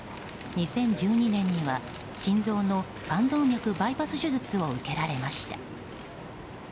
２０１２年には心臓の冠動脈バイパス手術を受けられました。